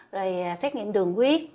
rồi xét nghiệm đường quyết